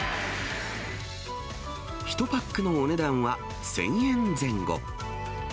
１パックのお値段は１０００円前後。